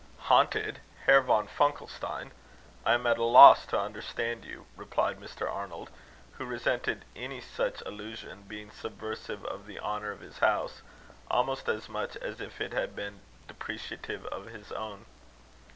"Haunted! Herr von Funkelstein? I am at a loss to understand you," replied Mr. Arnold, who resented any such allusion, being subversive of the honour of his house, almost as much as if it had been depreciative of his own.